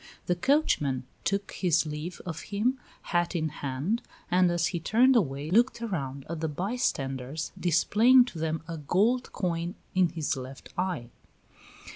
The coachman took his leave of him, hat in hand, and as he turned away looked around at the bystanders, displaying to them a gold coin in his left eye.